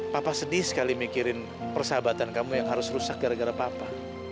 papa sedih sekali mikirin persahabatan kamu yang harus rusak gara gara papa